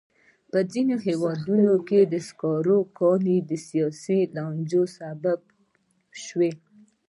په ځینو هېوادونو کې د سکرو کانونه د سیاسي لانجو سبب شوي.